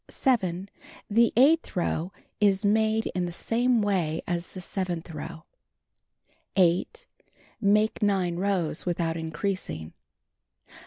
7. The eighth row is made in the same way as the seventh row. 8. Make 9 rows without increasing.